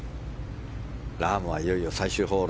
ラームはいよいよ最終ホール。